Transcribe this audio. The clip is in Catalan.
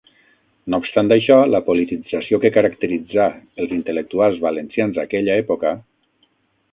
No obstant això, la politització que caracteritzà els intel·lectuals valencians aquella època...